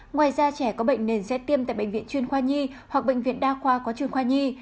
ngoài ra trẻ có bệnh nền sẽ tiêm tại bệnh viện chuyên khoa nhi hoặc bệnh viện đa khoa có chuyên khoa nhi